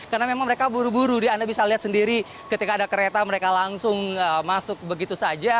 karena memang mereka buru buru anda bisa lihat sendiri ketika ada kereta mereka langsung masuk begitu saja